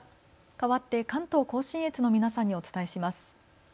かわって関東甲信越の皆さんにお伝えします。